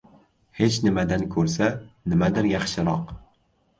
• Hech nimadan ko‘rsa, nimadir yaxshiroq.